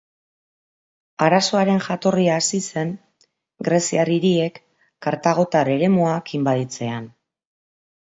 Arazoaren jatorria hasi zen greziar hiriek kartagotar eremuak inbaditzean.